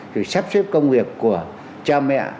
rồi sắp xếp công việc của cha mẹ